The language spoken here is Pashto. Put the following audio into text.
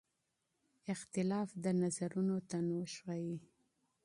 اختلاف د نظرونو تنوع ښيي.